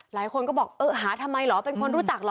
หลายคนก็บอกเออหาทำไมเหรอเป็นคนรู้จักเหรอ